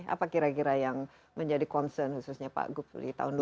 apa kira kira yang menjadi concern khususnya pak gub di tahun dua ribu dua puluh tiga ini